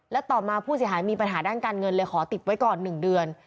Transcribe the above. และต่อมาผู้เสียหายมีปัญหาด้านการเงินเลยขอติดไว้ก่อน๑เดือน